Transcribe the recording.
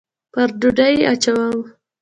پر ډوډۍ یې اچوم